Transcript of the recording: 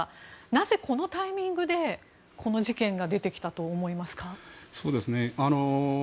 なぜ、このタイミングでこの事件が出てきたと思いますか。